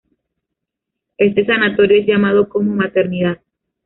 Este sanatorio es llamado como Maternidad.